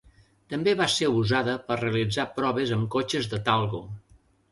També va ser usada per realitzar proves amb cotxes de Talgo.